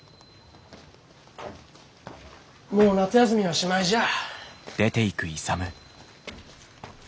もう夏休みはしまいじゃあ。